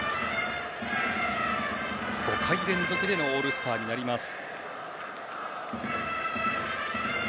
５回連続でのオールスターになります。